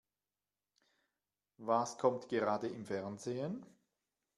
Was kommt gerade im Fernsehen?